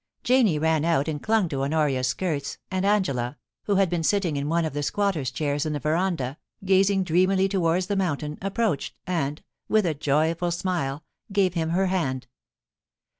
Janie ran out and clung to Honoria's skirts, and Angela, who had been sitting in one of the squatter's chairs in the verandah, gazing dreamily towards the mountain, approached and, with a joyful smile, gave him her hand.